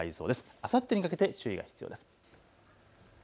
あさってにかけて注意が必要です。